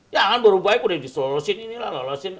jangan baru baik udah disolosin inilah lolosin